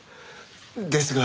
ですが。